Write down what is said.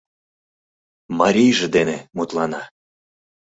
Марийже ден мутлана